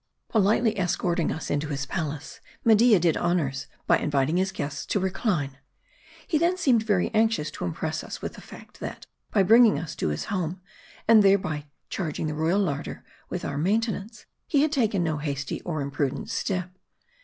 Politely escorting us into his palace, Media did the honors by inviting his guests to recline. He then seemed very anx ious to impress us with the fact, that, by bringing us to his home, and thereby charging the royal larder with our main tenance, he had taken no hasty or imprudent step.